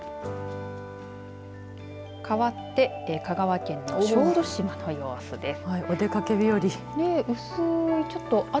かわって香川県の小豆島の様子です。